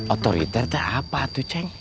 otoriter itu apa tuh ceng